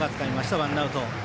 ワンアウト。